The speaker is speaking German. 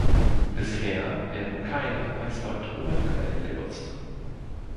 Bisher werden keine als Neutronenquellen genutzt.